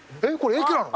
駅なの？